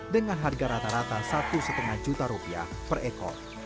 dengan harga rata rata satu lima juta rupiah per ekor